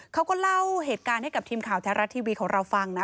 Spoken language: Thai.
เขาก็เล่าเหตุการณ์ให้กับทีมข่าวแท้รัฐทีวีของเราฟังนะ